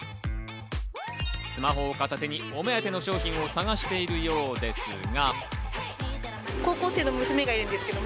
スマホを片手にお目当ての商品を探しているようですが。